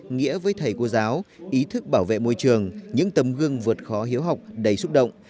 nghĩa với thầy cô giáo ý thức bảo vệ môi trường những tấm gương vượt khó hiếu học đầy xúc động